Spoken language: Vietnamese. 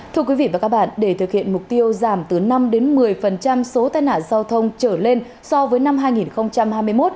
thưa quý vị và các bạn để thực hiện mục tiêu giảm từ năm một mươi số tai nạn giao thông trở lên so với năm hai nghìn hai mươi một